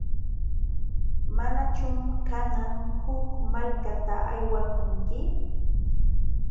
¿Manachum kanan huk malkata aywakunki?